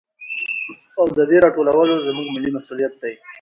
او د دې راټولو زموږ ملي مسوليت دى.